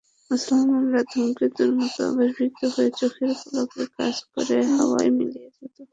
মুসলমানরা ধূমকেতুর মত আভির্ভূত হয়ে চোখের পলকে কাজ করে হাওয়ায় মিলিয়ে যেত।